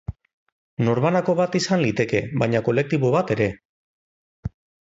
Norbanako bat izan liteke, baita kolektibo bat ere.